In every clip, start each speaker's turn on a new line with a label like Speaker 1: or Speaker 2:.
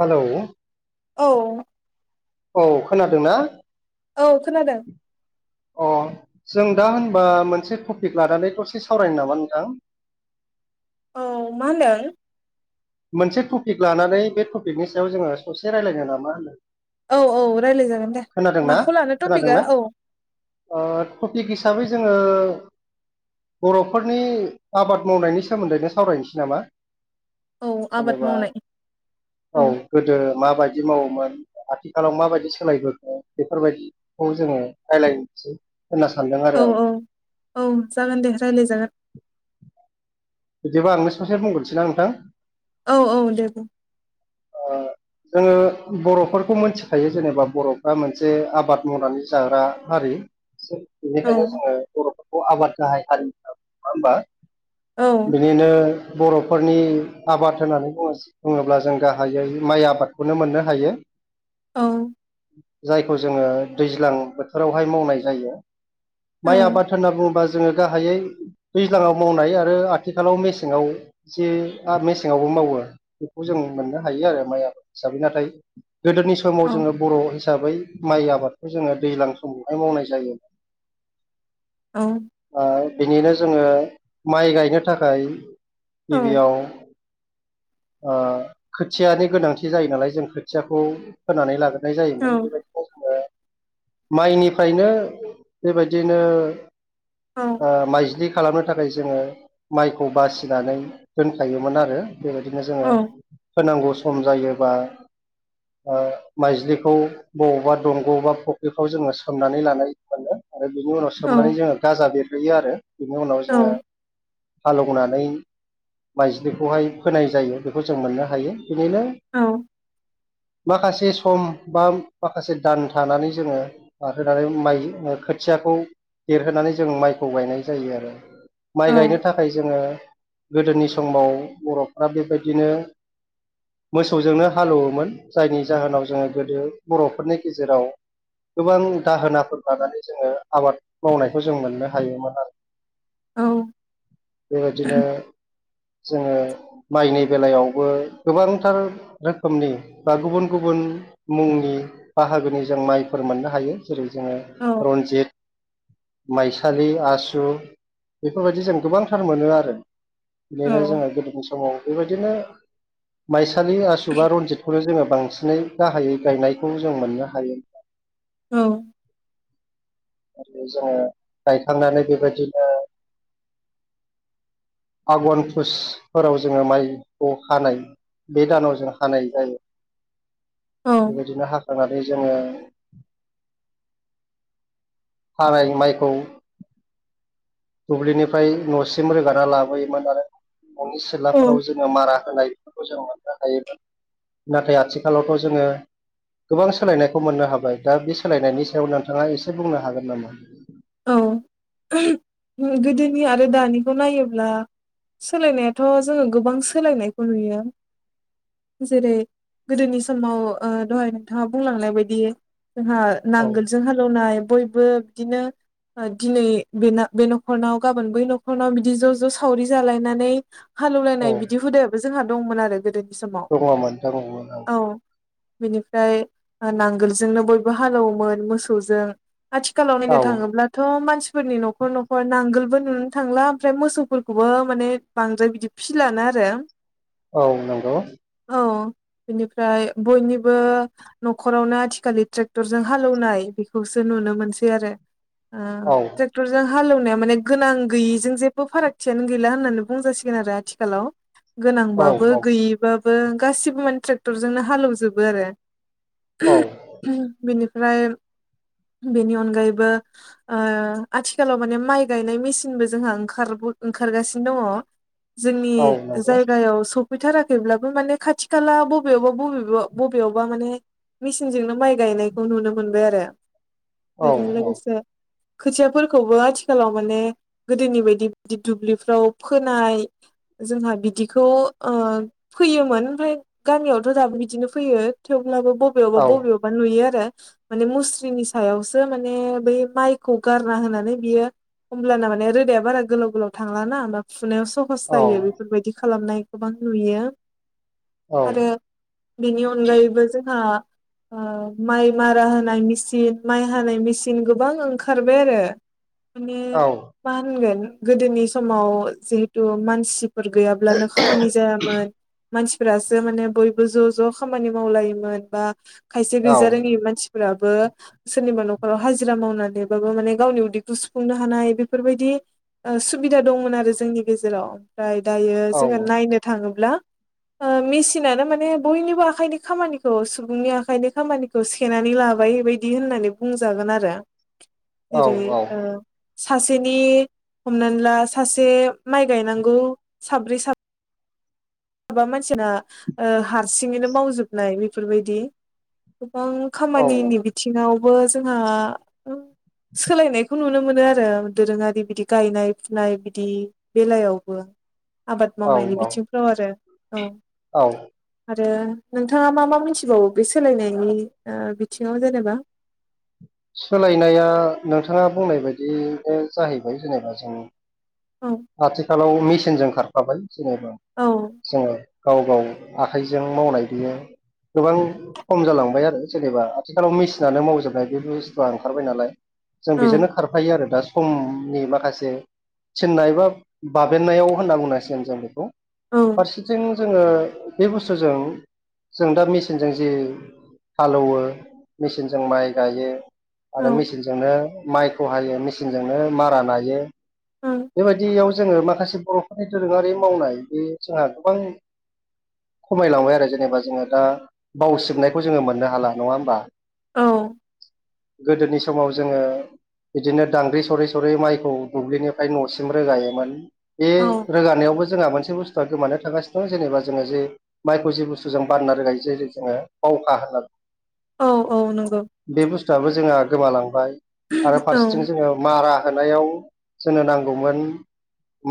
Speaker 1: Hello
Speaker 2: औ
Speaker 1: औ खोनादोंना?
Speaker 2: औ खोनादों।
Speaker 1: अ जों दा होनबा मोनसे टपिक लानानै द'से सावरायनो नामा नोंथां? [inaudible]
Speaker 2: औ मा होनदों?
Speaker 1: मोनसे टपिक लानानै बे टपिकनि सायाव जोंङो ससे रायलायनो नाामा मोनदों
Speaker 2: औ - औ रायलाय जागोन दे माखौ लानो टपिकआ
Speaker 1: खोनादोंना
Speaker 2: औ
Speaker 1: ओ टपिक हिसाबै जोङो बर'फोरनि आबाद मावनायनि सोमोन्दैनो सावरायनोसै नामा
Speaker 2: औ आबाद
Speaker 1: जेनेबा
Speaker 2: मावनाय
Speaker 1: औ गोदो माबायदि मावोमोन? आथिखालाव माबायदि सोलायबोखो बेफोरबायदिखौ जोंङो रायज्लायनोसै
Speaker 2: औ - औ - औ जागोन दे रायलाय जागोन
Speaker 1: बिदिबा आंनो ससे बुंगोरसै ना नोंथां?
Speaker 2: औ - औ दे बुं।
Speaker 1: जोंङो बर'फोरखौ मोनथिखायो जेनेबा बर'फ्रा मोनसे आबाद मावनानै जाग्रा हारि
Speaker 2: औ
Speaker 1: बेनिखायनो जोंङो बर'फोरखौ आबाद गाहाय हारि होन्ना बुङो नङा होमबा।
Speaker 2: औ
Speaker 1: बिनिनो बर'फोरनि आबाद होननानै बुङो बुङोब्ला जों गाहायै माइ आबाद आबादखौनो मोननो हायो
Speaker 2: औ
Speaker 1: जायखौ जोङो दैज्लां बोथोरावहाय मावनाय जायो। माइ आबाद होनना बुङोबा जोङो गाहायै दैज्लाङाव मावनाय आरो आथिखालाव मेसेंङाव जे मेसेङावबो मावो बेखौ जों मोननो हायो आरो माइ आबाद हिसाबै नाथाय गोदोनि समाव
Speaker 2: औ
Speaker 1: जोंङो बर' हिसाबै माइ आबादखौ जोंङो दैज्लां समावहाय मावनाय जायो।
Speaker 2: औ
Speaker 1: बिनिनो जोङो माइ गायनो थाखाय गिबियाव खोथियानि गोनांथि जायो नालाय जों खोथियाखौ फोनानै लागोन नाय
Speaker 2: औ
Speaker 1: जायोमोन बेबायदिनो जोङो। माइनिफ्रायनो बेबायदिनो
Speaker 2: औ
Speaker 1: ओ माइज्लि खालामनो थाखाय जोंङो माइखौ बासिनानै दोनखायोमोन आरो बेबायदिनो जोंङो। होनांगौ सम जायोबा ओ माइज्लिखौ बबावबा दंग' बा फख्रिखौ जोंङो सोमनानै लानाय मोनो। आरो बिनि उनाव सोमनानै जोङो गाजा बेरहेयो आरो बिनि उनाव जोङो एवनानै माइज्लिखौहाय फोनाय जायो बेखौ जों मोननो हायो। बिदिनो माखासे से सम बा माखासे दान थानानै जोङो होनानै माइ खोथियाखौ देरहोनानै जों माइखौ गायनाय जायो। आरो माइ गायनो नाथाय जोङो गोदोनि समाव बर'फ्रा बेबायदिनो मोसौजोंनो हालेवोमोन। जायनि जाहोनाव जोङो गोदो बर'फोरनि गेजेराव गोबां दाहोनाफोर लानानै जोङो आबाद मावनायखौ जों मोननो हायोमोन आरो
Speaker 2: औ।
Speaker 1: बेबायदिनो जोङो माइनि बेलायावबो गोबांथार रोखोमनि बा गुबुन गुबुन मुंनि बाहागोनि जों माइफोर मोननो हायो जेरै जोङो रन्जित माइसालि आसु बेफोरबायदि जों गोबांथार मोनो आरो बेदिनो
Speaker 2: औ
Speaker 1: जोङो गोदोनि समाव बेबायदिनो माइ [unintelligible] आसु बा रनजितखौनो जोंङो बांसिनै गाहायै गायनायखौ जों मोननो हायो।
Speaker 2: औ।
Speaker 1: आरो जोंङो गायखांनानै बेबायदिनो आगन फुसफोराव जोङो माइखौ हानाय बे दानाव जों हानाय जायो बेबायदिनो हाखांनानै जोङो। हानाय माइखौ दुब्लिनिफ्राय न'सिम रोगाना लाबोयोमोन आरो न'नि सिलाफोराव
Speaker 2: औ
Speaker 1: जोंङो मारा होनाय बेफोरखौ जों मोननो हायोमोन। नाथाय आथिखालावथ' जोङो गोबां सोलायनायखौ मोननो हाबाय दा बे सोलायनायनि सायाव नोंथाङा एसे बुंनो हागोन नामा
Speaker 2: औ गोदोनि आरो दानिखौ नायोब्ला सोलायनायाथ' जोङो गोबां सोलायनायखौ नुयो जेरै गोदोनि समाव दहाय नोंथाङा बुंलांनाय बायदि जोंहा
Speaker 1: औ
Speaker 2: नांगोलजों हालेवनाय बयबो बिदिनो दिनै बे बे न'खरनाव गाबोन बै न'खरनाव बिदि ज' ज' सावरि जालायनानै
Speaker 1: औ
Speaker 2: हालेवलायनाय बिदि हुदायाबो जोंहा दंमोन आरो गोदोनि समाव
Speaker 1: दङमोन नोथां नोंगौ‌ औ।
Speaker 2: बेनिफ्राय नांगोलजोंनो बयबो हालेवोमोन मोसौजों आथिखालाव नायनो
Speaker 1: औ
Speaker 2: थांङोब्ला मानसिफोरनि न'खर न'खर नांगोलबो नुनो थांला ओमफ्राय मोसौफोरखौबो माने बांद्राय फि ख लानो आरो
Speaker 1: औ नंगौ।
Speaker 2: औ बिनिफ्राय बयनिबो न'खरावनो आथिखलि ट्रेक्टरजों हालेवनाय खौसो नुनो मोनसै आरो
Speaker 1: औ
Speaker 2: ट्रेक्टरजों हालेवनाया माने गोनां गैयै जों जेबो फारागथियानो गैला होननानै बुंजा सिगोन आरो आथिखालाव
Speaker 1: औ
Speaker 2: गोनांबाबो
Speaker 1: औ
Speaker 2: गैयैबाबो गासिबो माने ट्रेक्टरजोंनो हालेवजोबो आरो
Speaker 1: औ।
Speaker 2: ओमफ्राय बेनि अनगायैबो आथिखालाव माने माइ गायनाय मेसिनबो जोंहा ओंखार ओंखारगासिनो दङ। जोंनि
Speaker 1: औ नंगौ
Speaker 2: जायगायाव सब फैथाराखैब्लाबो माने खाथि खाला बबेयावबा बबेबा बबेयावबा माने मेचिनजोंनो माइ गायनायखौ नुनो मोनबाय आरो
Speaker 1: औ
Speaker 2: बेजों
Speaker 1: औ
Speaker 2: [unintelligible] खोथियाफोरखौबो आथिखालाव माने गोदोनि बायदि बिदि दुब्लिफ्राव फोनाय, जोंहा बिदिखौ ओ फैयोमोन ओमफ्राय गामियावथ' दाबो बिदिनो फैयो थेव अब्लाबो बबेयावबा
Speaker 1: औ
Speaker 2: बबेयावबा नुयो आरो माने मुस्रिनि सायावसो माने बै माइखौ गारना होनानै बियो होमब्लाना माने रोदाया बारा गोलाव गोलाव थांलााना होमबा, सुनायाव सहस
Speaker 1: औ
Speaker 2: जायो बेफोरबायदि खालामनाय गोबां नुयो।
Speaker 1: औ
Speaker 2: आरो बेनि अनगायैबो जोंहा, ओ माइ मारा होनाय मेचिन माइ हानाय मेचिन दिन गोबां ओंखारबाय आरो माने मा होनगोन, गोदोनि समाव जिहेथु मानसिफोर गैयाब्लानो खामानि जायामोन, मानसिफोरासो माने बयबो ज' ज' खामानि मावलायोमोन बा, खायसे गैजा रोङि मानसिफोराबो सोरनिबा न'ख ओ हाजिरा मावना देरबाबो माने गावनि उदैखौ सुफुंनो हानाय बेफोरबायदि ओ सुबिदा दंमोन आरो जोंनि गेजेराव ओमफ्राय दायो
Speaker 1: औ औ
Speaker 2: जोङो नायनो थाङोब्ला, ओ मेचिनानो माने बयनिबो आखाइनि खामानिखौ सुबुंनि आखाइनि खामानिखौ सोननानै लाबाय, बे बायदि होननानै बुंजागोन आरो जेरै ओ सासेनि हमनानै ला सासे माइ गायनांगौ साब्रै साब साबा मानसिना हारसिङैनो मावजोबनाय बेफोरबायदि गोबां खामानिनि बिथिङावबो जोंहा सोलायनायखौ नुनो मोनो आरो दोरोङारि बिदि गायनाय फुनाय बिदि बेलायावबो, आबाद मावनायनि
Speaker 1: औ
Speaker 2: बिथिंफ्राव आरो औ
Speaker 1: औ
Speaker 2: आरो नोंथाङा मा मा मिथिबावो बे सोलायनायनि ओ बिथिङाव जेनेबा?
Speaker 1: सोलायनाया नोंथाङा बुंनाय बायदिनो जाहैबाय जेनेबा जों
Speaker 2: औ
Speaker 1: आथिखालाव मेसिनजों खारफाबाय जेनेबा
Speaker 2: औ
Speaker 1: जोङो, गाव गाव आखाइजों मावनाय बियो। गोबां खम जालांबाय आरो जेनेबा आथिखालाव मेचिनानो मावजोबनाय। बे बुस्थुआ ओंखारबाय नालाय जों
Speaker 2: औ
Speaker 1: बेजोंनो खारफायो आरो दा सम, दिनै माखासे थिननाय बा बाबेननायाव होनना बुंनांसिगोन जों बेखौ,
Speaker 2: औ
Speaker 1: फारसेथिं जोङो बे बुस्थुजों जों दा मेचिनजों जि हालेवो मेचिनजों माइ गायो आरो मेचिनजोंनो माइखौ हायो मेचिनजोंनो मारा नायो,
Speaker 2: औ
Speaker 1: बेबायदियाव जोङो माखासे बर'फोरनि दोरोङारि मावनाय बे जोंहा गोबां, खमायलांबाय आरो जेनेबा जोङो दा बावसिबनायखौ जोङो मोननो हाला नङा होमबा,
Speaker 2: औ
Speaker 1: गोदोनि समाव जोङो, बिदिनो दांग्रि सरै सरै माइखौ दुब्लिनिफ्राय न'सिम रोगायोमोन बे
Speaker 2: औ
Speaker 1: रोगानायावबो जोंहा मोनसे बुस्थुआ गोमानो थागासिनो दं जेनेबा, जोङो जे माइखौ जे बुस्थु जों बानना रोगायो जेरै जोङो बावखा होनना
Speaker 2: औ औ नंगौ
Speaker 1: बे बुस्थुआबो जोंहा गोमालांबाय आरो
Speaker 2: औ
Speaker 1: फारसेथिं जोङो मारा होनायाव जोंनो नांगौमोन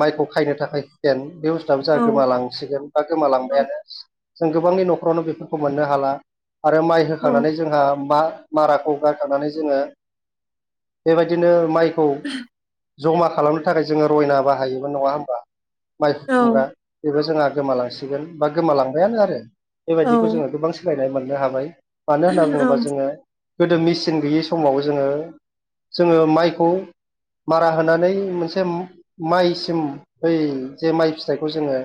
Speaker 1: माइखौ खायनो थाखाय फेन बे बुस्थुआबो जोंहा
Speaker 2: औ
Speaker 1: गोमालांसिगोन बा
Speaker 2: औ
Speaker 1: गोमालांबायानो जों गोबांनि न'खरावनो बेफोरखौ मोननो हाला आरो माइ होखांनानै जोंहा मा माराखौ गारखांनानै जोङो बेबायदिनो माइखौ जमा खालामनो थाखाय जोङो रयना बाहायोमोन नङा होमबा माइ
Speaker 2: औ
Speaker 1: हुथुमग्रा बेबो जोंहा गोमालांसिगोन बा गोमालांबायानो आरो
Speaker 2: औ
Speaker 1: बेबायदिखौ जोङो गोबां सोलायनाय मोननो हाबाय मानो होनना
Speaker 2: औ
Speaker 1: बुङोब्ला जोङो। गोदो मेचिन गैयै समाव जोङो जोङो माइखौ मारा होननानै मोनसे माइसिम बै जे माइ फिथाइखौ जोङो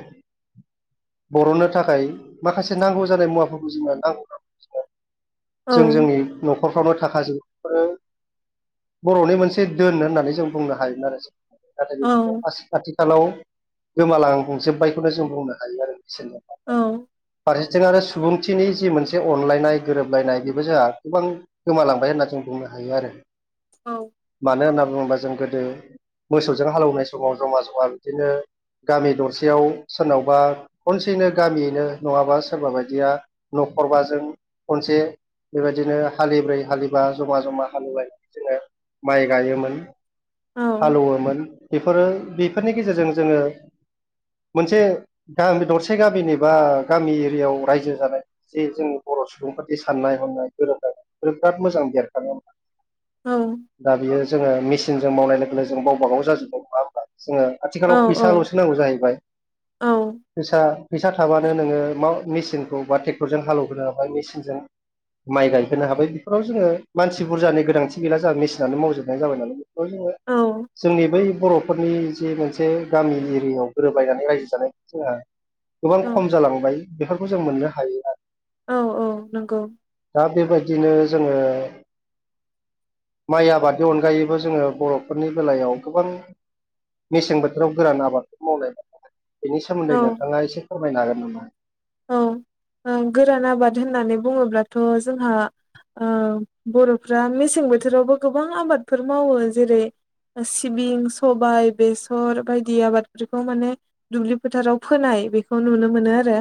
Speaker 1: बरननो थाखाय माखासे नांगौ जानाय मुवाफोरखौ जोंनो नांगौ नांगौखौ जोङो
Speaker 2: औ
Speaker 1: जों जोंनि न'ख खरफ्रावनो थाखाजोबो बेफोरो बरनि मोनसे दोन होननानै जों बुंनो हायोमोन आरो जों। नाथाय
Speaker 2: औ
Speaker 1: बेफोरखौ आथि आथिखालाव गोमालांजोब्बायखौनो जों बुंनो हायो आरो।
Speaker 2: औ
Speaker 1: फारसेथिं आरो सुबुंथिनि जि मोनसे अनलायनाय गोरोब लायनाय बेबो जोंहा गोबां गोमालांबाय होनना जों बुंनो हायो आरो मानो होनना बुङोबा जों गोदो मोसौजों हालौनाय समाव जमा जमा बिदिनो गामि दरसेयाव सोरनावबा खनसेनो गामियैनो नङाबा सोरबा बायदिया न खर बाजों खनसे बेबायदिनो हालिब्रै हालिबा जमा जमा हालेवनाय जोङो माइ गायोमोन
Speaker 2: औ
Speaker 1: हालौवोमोन बेफोरो बेफोरनि गेजेरजों जोङो। मोनसे गामि दरसे गामिनि बा गामि एरियाव रायजो जानाय जे जों बर' सुबुं सुबुंफोरथि साननाय हनाय गोरोबलायनाय बेफोर बिराद मोजां बेरखाङोमोन दा बेयो जोङो मेसिनजों मावनाय लोगो जों गावबा गाव जाजोबबाय नङा होमबा? जोङो आथिखालाव फैसालसो नांगौ जाहैबाय फैसा फैसा। थाबानो नोङो माव मेसिनखौ बा टेक्टरजों हालौग्रोनो हाबाय मेसिनजों। माइ गायहोनो हाबाय बेफोराव जोङो मानसि बुरजानि गोनांथि गैला जोहा मेसिनानो मावजोबनाय जाबाय नालाय। बेफोराव जोङो
Speaker 2: औ
Speaker 1: जोंनि बै बरफोरनि नि मोनसे गामि एरियायाव गोरोबलायनानै रायजो जानायखौ जोंहा गोबां खम जालांबाय बेफोर खौ जों मोननो हायो आरो।
Speaker 2: औ औ नंगौ
Speaker 1: दा बेबायदिनो जोङो। माइ आबादनि अनगायैबो जोङो बर'फोरनि बेलायाव गोबां मेसें बोथोराव गोरान आबादखौ मावनाय बेनि
Speaker 2: औ
Speaker 1: सोमोन्दै नोंथाङा एसे फोरमायनो हागोन नामा?
Speaker 2: ओ गोरान आबाद होननानै बुङोब्लाथ जोंहा। ओ बर'फ्रा मेसें बोथोरावबो गोबां आबादफोर मावो जेरै सिबिं सबाय बेसर बायदि आबादफोरखौ माने दुब्लि फोथाराव फोनाय बेखौ नुनो मोनो आरो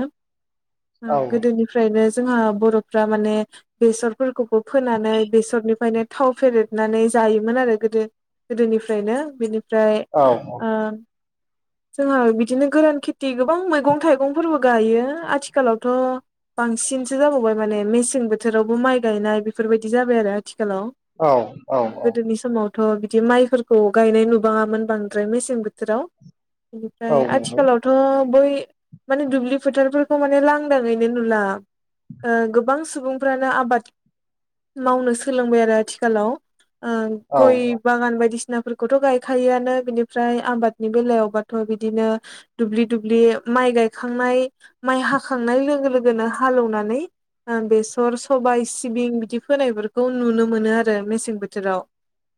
Speaker 1: औ
Speaker 2: गोदोनिफ्रायनो जोंहा बर'फ्रा माने बेसरफोर खौबो फोनानै बेसरनिफायनो थाव फेरेदनानै जायोमोन आरो गोदो गोदोनिफ्रायनो बेनि ओमफ्राय
Speaker 1: औ
Speaker 2: ओ! जोङो बिदिनो गोरान खेथि गोबां मैगं थाइगंफोरबो गायो आथिखालावथ। बांसिनसो जाबावबाय माने मेसें बोथोरावबो माइ गायनाय बेफोरबायदि जाबाय आरो। आथिखालाव
Speaker 1: औ औ औ
Speaker 2: गोदोनि समाव थ बिदि माइफोरखौ गायनाय नुबाङामोन बांद्राय मेसें बोथोराव।
Speaker 1: औ
Speaker 2: बेनिफ्राय
Speaker 1: नंगौ
Speaker 2: आथिखालावथ बै माने दुब्लि फोथारफोर खौ माने लांदाङैनो नुला गोबां ओ सुबुंफ्रानो आबाद। मावनो सोलोंबाय आरो आथिखालाव ओ
Speaker 1: औ
Speaker 2: गय बागान बायदिसि -नाफोरखौथ' गायखायोआनो बिनिफ्राय आबादनि बेलायावबाथ' बिदिनो दुब्लि दुब्लि माइ गायखांनाय माइ हाखांनाय लोगो लोगोनो हालौनानै। बेसर सबाय सिबिं बिदि फोनायफोरखौ नुनो मोनो आरो मेसें बोथोराव।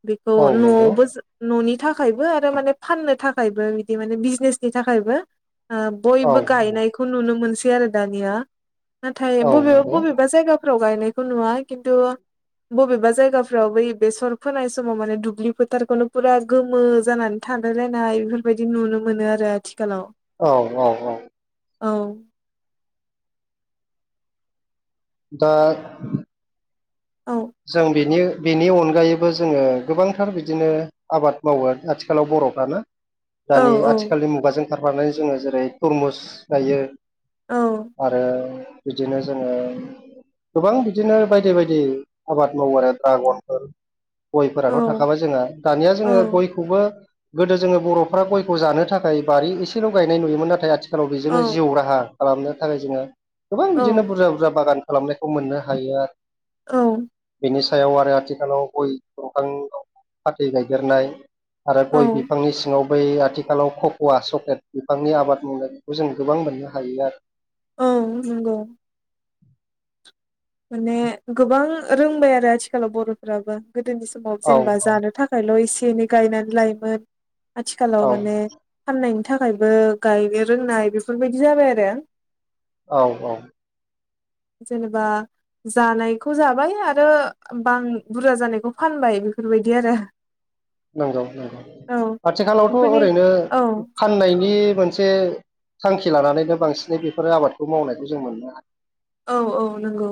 Speaker 2: बेखौ
Speaker 1: औ नंगौ
Speaker 2: न'आवबो न'नि थाखायबो आरो माने फाननो थाखायबो बिदि माने बिजनेसनि थाखायबो। ओ
Speaker 1: औ
Speaker 2: बयबो गायनायखौ नुनो मोनसै आरो दानिया। नाथाय बबेबा
Speaker 1: नंगौ
Speaker 2: बबेबा जायगाफोराव गायनायखौ नुवा किन्थु। बबेबा जायगाफ्राव बै बेसर फोनाय समाव माने दुब्लि फोथारखौनो फुरा गोमो जानानै था सानलायलायनाय बेफोरबायदि नुनो मोनो आरो आथिखालाव।
Speaker 1: औ औ औ।
Speaker 2: औ।
Speaker 1: दा
Speaker 2: औ
Speaker 1: जों बेनि बेनि अनगायैबो जोङो गोबांथार बिदिनो आबाद मावो आथिखालाव बर'फ्रा ना
Speaker 2: औ
Speaker 1: दानि आथिखालनि मुगाजों खारफानानै जोङो जेरै तरमुस गायो।
Speaker 2: औ
Speaker 1: आरो बिदिनो जोङो गोबां बिदिनो बायदि बायदि आबाद मावो आरो ड्रागनफोर
Speaker 2: औ
Speaker 1: गयफोराथ' थाखाबाय जोंहा दानिया
Speaker 2: औ
Speaker 1: जोङो गयखौबो गोदो जोङो बरफ्रा गयखौ जानो थाखाय बारि एसेल' गायनाय नुयोमोन नाथाय आथिखालाव बेजोंनो जिउ राहा खालामनो थाखाय जोङो गोबां बिदिनो बुरजा बुरजा बागान खालामनायखौ मोननो हायो।
Speaker 2: औ।
Speaker 1: निसायाव आरो आथिखालाव गय दंफां फाथै गायदेरनाय आरो गय
Speaker 2: औ
Speaker 1: बिफांनि सिङाव बै आथिखालाव ककवा चक्लेट बिफांनि आबाद मावनायखौ जों गोबां मोननो हायो आरो।
Speaker 2: औ नंगौ। माने गोबां रोंबाय आरो आथिखालाव बर'फ्राबो गोदोनि समाव
Speaker 1: औ
Speaker 2: जेनेबा
Speaker 1: औ
Speaker 2: जानो थाखायल' एसे एनै गायनानै लायोमोन।
Speaker 1: औ
Speaker 2: आथिखालाव माने फाननायनि थाखायबो गायनो रोंनाय बेफोरबायदि जाबाय आरो।
Speaker 1: औ औ।
Speaker 2: जेनेबा जानायखौ जाबाय आरो बां बुरजा जानायखौ फानबाय बेफोरबायदि आरो।
Speaker 1: नंगौ नंगौ
Speaker 2: औ
Speaker 1: आथिखालावथ'
Speaker 2: बेफोरनि
Speaker 1: ओरैनो
Speaker 2: औ
Speaker 1: फाननायनि मोनसे थांखि लानानैनो बांसिनै बेफोरो आबादखौ मावनायखौ जों मोननो
Speaker 2: औ औ नोंगौ।